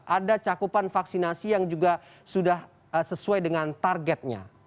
ada cakupan vaksinasi yang juga sudah sesuai dengan targetnya